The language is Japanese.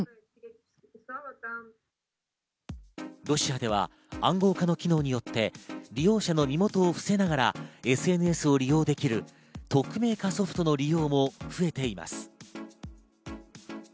ロシアでは暗号化の機能によって利用者の身元を伏せながらＳＮＳを利用できる匿名化ソフトの利用も増えています。